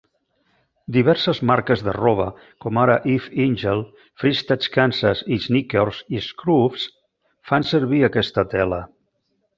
Diverses marques de roba, com ara F. Engel, Fristads Kansas, Snickers i Scruffs, fan servir aquesta tela.